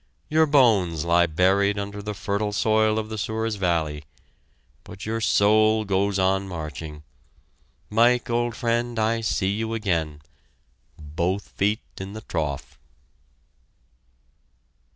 Your bones lie buried under the fertile soil of the Souris Valley, but your soul goes marching on! Mike, old friend, I see you again both feet in the trough!"